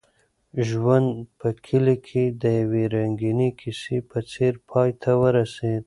ژوند په کلي کې د یوې رنګینې کیسې په څېر پای ته ورسېد.